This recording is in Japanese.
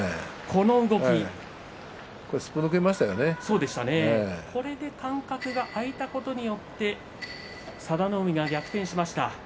これで間隔が空いたことによって佐田の海が逆転しました。